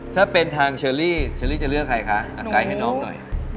ถ้าเป็นทางเชอรี่เชอรี่จะเลือกใครคะอาการให้น้องหน่อย